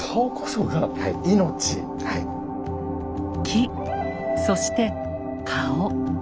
木そして顔。